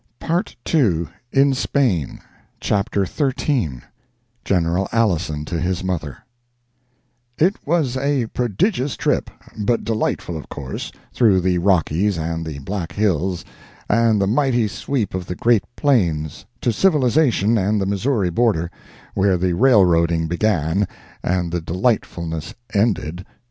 Part II IN SPAIN XIII GENERAL ALISON TO HIS MOTHER IT was a prodigious trip, but delightful, of course, through the Rockies and the Black Hills and the mighty sweep of the Great Plains to civilization and the Missouri border—where the railroading began and the delightfulness ended.